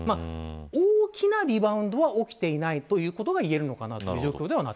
大きなリバウンドは起きていないということが言えると思います。